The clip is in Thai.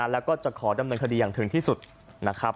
แล้วก็จะขอดำเนินคดีอย่างถึงที่สุดนะครับ